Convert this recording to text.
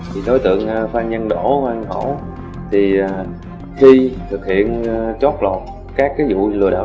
thì đối tượng phan nhân đỗ hoàng hổ thì khi thực hiện chót lọt các cái vụ lừa đảo